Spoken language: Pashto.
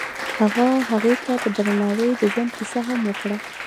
هغه هغې ته په درناوي د ژوند کیسه هم وکړه.